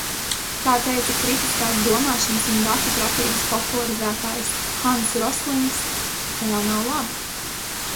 Kā teica kritiskās domāšanas un datu pratības popularizētājs Hanss Roslings - vēl nav labi.